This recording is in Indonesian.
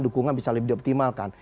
dukungan bisa lebih dioptimalkan